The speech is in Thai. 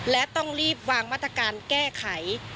และต้องรีบวางมาตรการแก้ไข